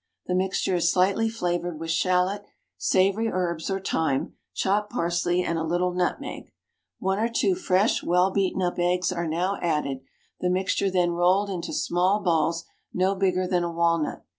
The mixture is slightly flavoured with shallot, savoury herbs or thyme, chopped parsley, and a little nutmeg. One or two fresh well beaten up eggs are now added, the mixture then rolled into small balls no bigger than a walnut.